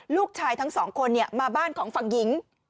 ลูกชายทั้งสองคนมาบ้านของฝั่งหญิง